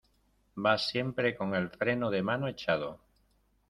vas siempre con el freno de mano echado